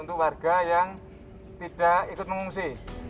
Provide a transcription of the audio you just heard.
untuk warga yang tidak ikut mengungsi